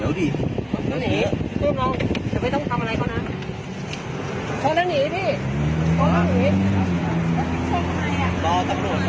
เรียกตำรวจ